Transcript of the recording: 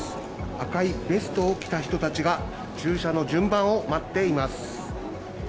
赤いベストを着た人たちが注射の順番を待っています。